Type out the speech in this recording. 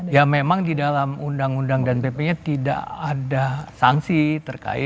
ya memang di dalam undang undang dan pp nya tidak ada sanksi terkait